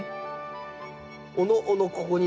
おのおのここにね